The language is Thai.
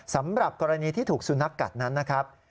สำหรับกรณีที่ถูกสุนัขกัดนั้นนะครับ